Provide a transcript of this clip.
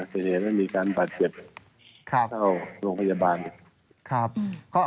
เป็นเหตุให้มีการบาดเจ็บเข้าโรงพยาบาล